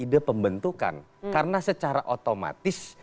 dipembentukan karena secara otomatis